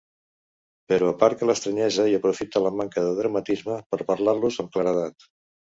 Però aparca l'estranyesa i aprofita la manca de dramatisme per parlar-los amb claredat.